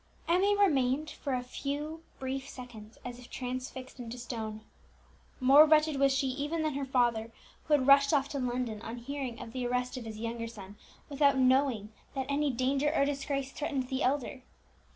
Emmie remained for a few brief seconds as if transfixed into stone. More wretched was she even than her father, who had rushed off to London on hearing of the arrest of his younger son, without knowing that any danger or disgrace threatened the elder.